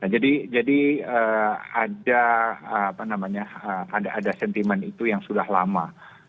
jadi ada sentimen itu yang sudah lama